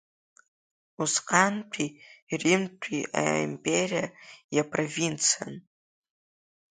Усҟантәи Римтәи аимпериа иапровинциан.